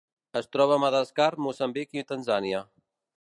Es troba a Madagascar, Moçambic i Tanzània.